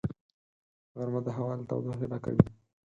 غرمه د هوا له تودوخې ډکه وي